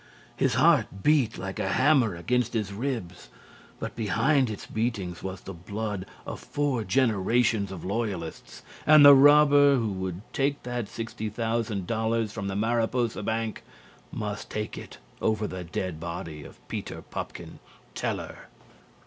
His heart beat like a hammer against his ribs. But behind its beatings was the blood of four generations of Loyalists, and the robber who would take that sixty thousand dollars from the Mariposa bank must take it over the dead body of Peter Pupkin, teller.